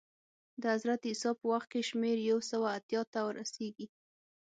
د حضرت عیسی په وخت کې شمېر یو سوه اتیا ته رسېږي